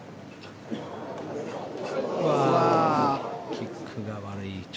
キックが悪い位置。